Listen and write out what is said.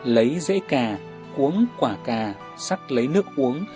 lấy dễ cà uống quả cà sắc lấy nước uống